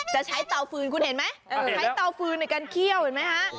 จะใช้เตาฟืนคุณเห็นไหมใช้เตาฟืนในการเคี่ยวเห็นไหมฮะ